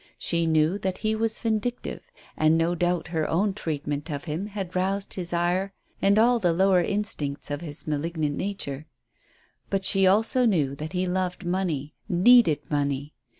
She knew that he was vindictive, and no doubt her own treatment of him had roused his ire and all the lower instincts of his malignant nature; but she also knew that he loved money needed money.